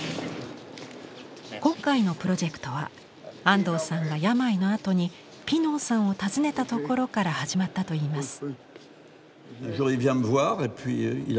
今回のプロジェクトは安藤さんが病のあとにピノーさんを訪ねたところから始まったといいます。